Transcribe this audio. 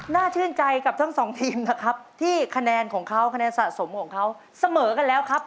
น่าชื่นใจกับทั้งสองทีมนะครับที่ทันขนาดสะสมของเขาเสมอกันแล้วครับ